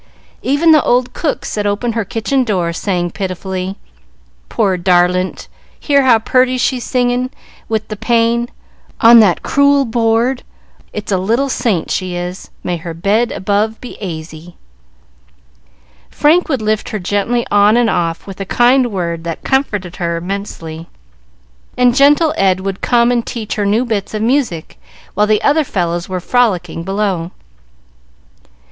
Even the old cook set open her kitchen door, saying pitifully, "Poor darlint, hear how purty she's singin', wid the pain, on that crewel boord. It's a little saint, she is. May her bed above be aisy!" Frank would lift her gently on and off, with a kind word that comforted her immensely, and gentle Ed would come and teach her new bits of music, while the other fellows were frolicking below.